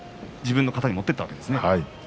自分の型に持っていったわけですね。